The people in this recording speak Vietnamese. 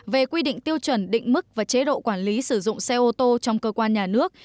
về quy định tiêu chuẩn định mức và chế độ quản lý sử dụng xe ô tô trong cơ quan nhà nước